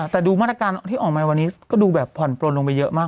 แต่ดูมาตรการที่ออกมาวันนี้ก็ดูแบบผ่อนปลนลงไปเยอะมาก